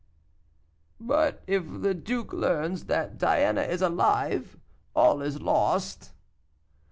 "But if the duke learns that Diana is alive, all is lost."